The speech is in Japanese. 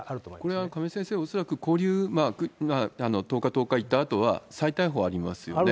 これは亀井先生、恐らく勾留、１０日、１０日行ったあと、再逮捕ありますよね。